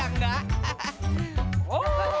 hah nggak ada ini